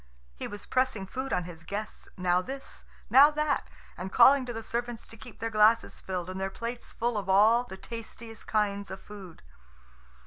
He was pressing food on his guests, now this, now that, and calling to the servants to keep their glasses filled and their plates full of all the tastiest kinds of food.